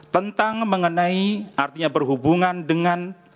tentang mengenai artinya berhubungan dengan